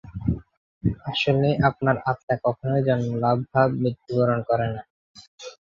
আসলে, আপনার আত্মা কখনই জন্মলাভ বা মৃত্যুবরণ করে না।